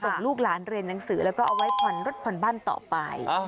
ลูกหลานเรียนหนังสือแล้วก็เอาไว้ผ่อนรถผ่อนบ้านต่อไป